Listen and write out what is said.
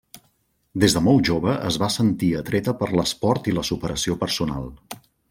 Des de molt jove es va sentir atreta per l'esport i la superació personal.